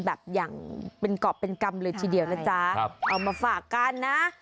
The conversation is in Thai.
แบบอย่างเป็นกรอบเป็นกรรมเลยทีเดียวนะจ๊ะเอามาฝากกันนะ